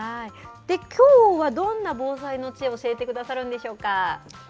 きょうは、どんな防災の知恵を教えてくださるんでしょうか。